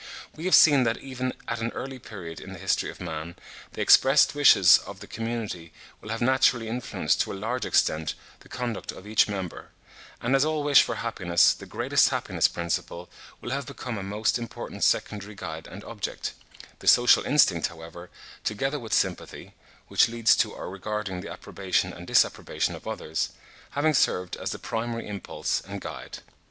We have seen that even at an early period in the history of man, the expressed wishes of the community will have naturally influenced to a large extent the conduct of each member; and as all wish for happiness, the "greatest happiness principle" will have become a most important secondary guide and object; the social instinct, however, together with sympathy (which leads to our regarding the approbation and disapprobation of others), having served as the primary impulse and guide.